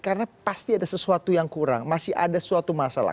karena pasti ada sesuatu yang kurang masih ada sesuatu masalah